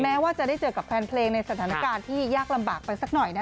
ว่าจะได้เจอกับแฟนเพลงในสถานการณ์ที่ยากลำบากไปสักหน่อยนะ